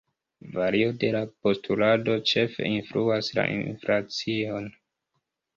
Vario de la postulado ĉefe influas la inflacion.